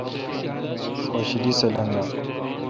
خوشالی سہ لیگا۔